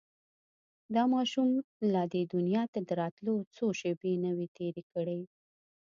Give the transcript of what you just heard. دا ماشوم لا دې دنيا ته د راتلو څو شېبې نه وې تېرې کړې.